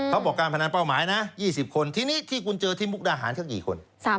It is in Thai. เขาบอกการพนันเป้าหมายนะ๒๐คนทีนี้ที่คุณเจอที่มุกดาหารสักกี่คน